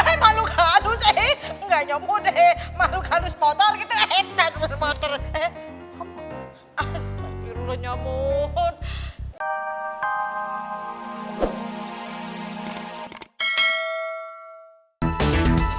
eh mahluk halus